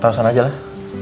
tarusan aja lah